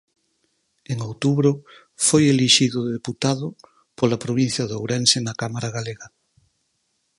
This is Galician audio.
En outubro, foi elixido deputado pola provincia de Ourense na Cámara galega.